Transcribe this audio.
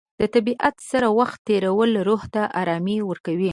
د طبیعت سره وخت تېرول روح ته ارامي ورکوي.